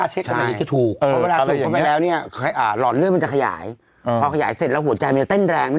จะแย้งแต่นิยาว่าเรื่องกัญชาเสรีไง